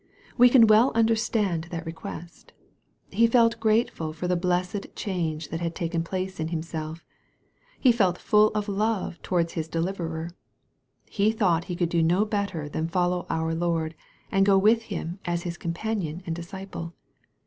We can well understand that re quest. He felt grateful for the blessed change that had taken place in himself. He felt full of love towards his Deliverer. He thought he could not do better than follow our Lord, and go with Him as his companion and disciple.